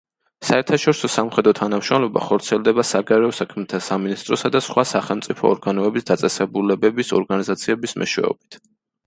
საერთაშორისო სამხედრო თანამშრომლობა ხორციელდება საგარეო საქმეთა სამინისტროსა და სხვა სახელმწიფო ორგანოების, დაწესებულებების, ორგანიზაციების მეშვეობით.